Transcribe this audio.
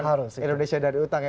harus indonesia dari utang ya